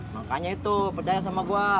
makanya itu percaya sama gue